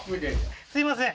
すいません